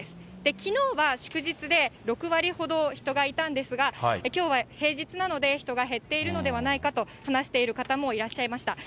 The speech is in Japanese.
きのうは祝日で６割ほど人がいたんですが、きょうは平日なので、人が減っているのではないかと話している方もいらっしゃいました。